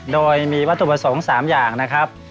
โดยมีวัตถุประสงค์๓อย่างนะครับ